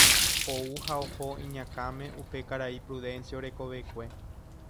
ou ha oho iñakãme upe karai Prudencio rekovekue.